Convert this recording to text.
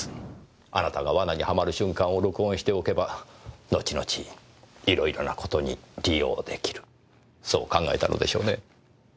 あなたが罠にはまる瞬間を録音しておけば後々いろいろな事に利用出来るそう考えたのでしょうね。